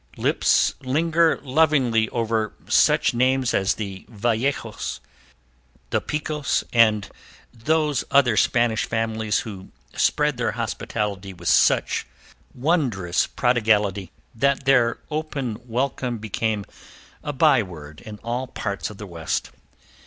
Lips linger lovingly over such names as the Vallejos, the Picos, and those other Spanish families who spread their hospitality with such wondrous prodigality that their open welcome became a by word in all parts of the West.